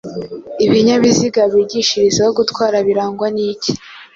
Ibinyabiziga bigishirizaho gutwara birangwa n’iki